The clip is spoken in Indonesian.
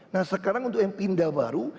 nah sekarang untuk yang pindah baru